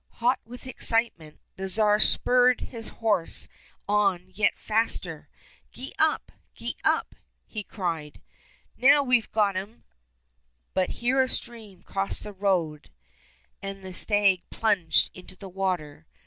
Hot with excitement, the Tsar spurred his horse on yet faster. " Gee up ! gee up !" he cried ;" now we've got him !" But here a stream crossed the road, 174 THE TSAR AND THE ANGEL and the stag plunged into the water.